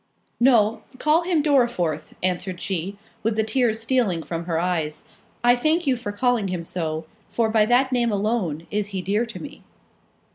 "No, call him Dorriforth," answered she, with the tears stealing from her eyes; "I thank you for calling him so; for by that name alone, is he dear to me."